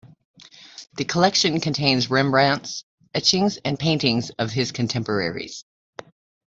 The collection contains Rembrandt's etchings and paintings of his contemporaries.